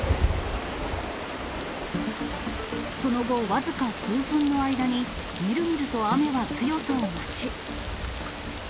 その後、僅か数分の間に、みるみると雨は強さを増し。